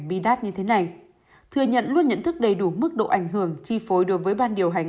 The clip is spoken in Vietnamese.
bi đát như thế này thừa nhận luôn nhận thức đầy đủ mức độ ảnh hưởng chi phối đối với ban điều hành